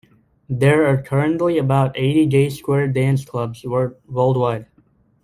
There are currently about eighty gay square dance clubs worldwide.